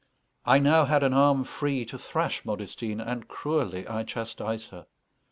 I I had now an arm free to thrash Modestine, and cruelly I chastised her.